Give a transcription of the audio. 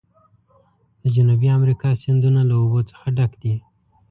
د جنوبي امریکا سیندونه له اوبو څخه ډک دي.